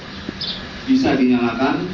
yang satu bisa dinyalakan